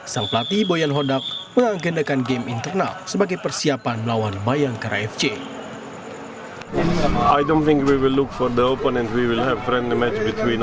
sang pelatih boyan hodak mengagendakan game internal sebagai persiapan melawan bayangkara fc